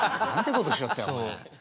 ことしよってんお前。